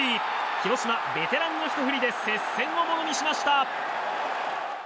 広島、ベテランのひと振りで接戦をものにしました。